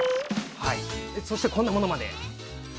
そして、こんなものまで。